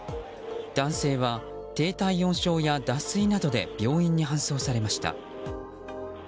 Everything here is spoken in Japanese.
男性は低体温症や脱水などで病院に搬送されました。